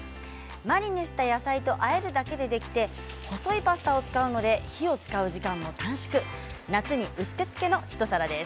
マリネした野菜とあえるだけでできて、細いパスタを使うので火を使う時間も短縮夏にうってつけの一皿です。